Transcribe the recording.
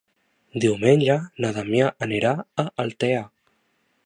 Diumenge na Damià anirà a Altea.